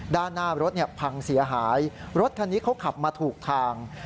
ด้านหน้ารถพังเสียหายรถคันนี้เขาขับมาถูกทาง